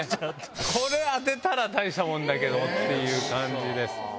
これ当てたら大したもんだけどっていう感じです。